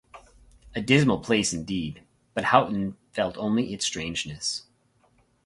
A dismal place, indeed, but Houghton felt only its strangeness.